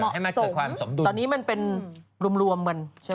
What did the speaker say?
ให้มันเหมาะสมตอนนี้มันเป็นรวมมัน